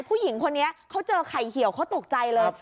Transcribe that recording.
ผู้หญิงคนนี้เขาเจอไข่เหี่ยวเขาตกใจเลย